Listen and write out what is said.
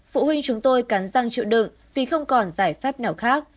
phụ huynh chúng tôi cắn răng chịu đựng vì không còn giải pháp nào khác